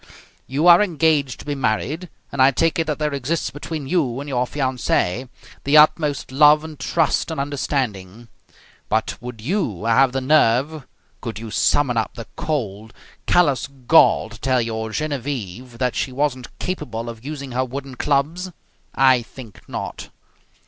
You are engaged to be married and I take it that there exists between you and your fiancee the utmost love and trust and understanding; but would you have the nerve, could you summon up the cold, callous gall to tell your Genevieve that she wasn't capable of using her wooden clubs? I think not.